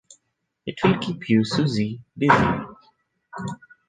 It will keep you, Susy, busy